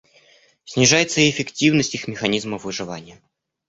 Снижается и эффективность их механизмов выживания.